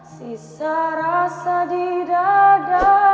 sisa rasa di dada